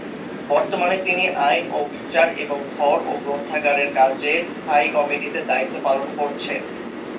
বর্তমানে, তিনি আইন ও বিচার, এবং ঘর ও গ্রন্থাগারের কাজের স্থায়ী কমিটিতে দায়িত্ব পালন করছেন।